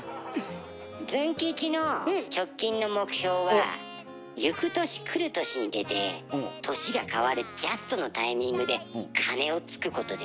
ズン吉の直近の目標は「ゆく年くる年」に出て年が変わるジャストのタイミングで鐘をつくことです。